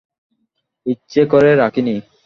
ইচ্ছে করে রাখি নি।